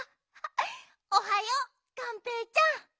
おはようがんぺーちゃん。